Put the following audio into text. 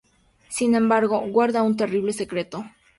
Sin embargo, guarda un terrible secreto.